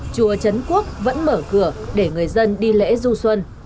chùa trấn quốc vẫn mở cửa để người dân đi lễ du xuân